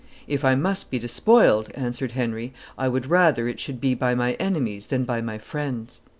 "If I must be despoiled," answered Henry, "I would rather it should be by my enemies than by my friends.